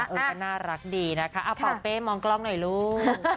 เออก็น่ารักดีนะคะเอาเป่าเป้มองกล้องหน่อยลูก